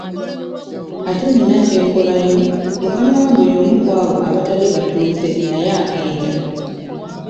Ate nina kyenkolayo mukama wange y'omu ku abo abatali batuuze naye agenda.